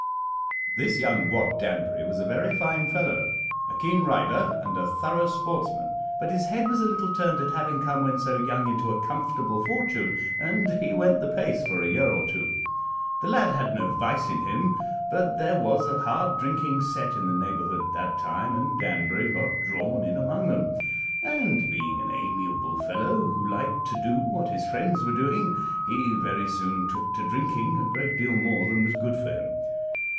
"This young Wat Danbury was a very fine fellow, a keen rider, and a thorough sportsman, but his head was a little turned at having come, when so young, into a comfortable fortune, and he went the pace for a year or two. The lad had no vice in him, but there was a hard drinking set in the neighbourhood at that time, and Danbury got drawn in among them; and, being an amiable fellow who liked to do what his friends were doing, he very soon took to drinking a great deal more than was good for him.